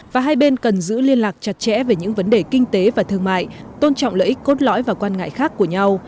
và hai bên cần giữ liên lạc chặt chẽ về những vấn đề kinh tế và thương mại tôn trọng lợi ích cốt lõi và quan ngại khác của nhau